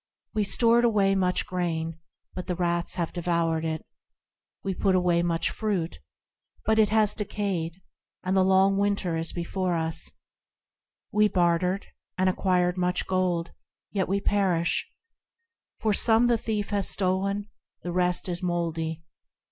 We stored away much grain, but the rats have devoured it; We put away much fruit, but it has decayed, and the long winter is before us ; We bartered, and acquired much gold, yet we perish, For some the thief has stolen, and the rest is mouldy.